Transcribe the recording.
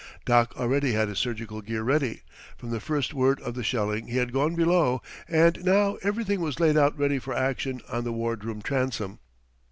Doc already had his surgical gear ready; from the first word of the shelling he had gone below, and now everything was laid out ready for action on the ward room transom.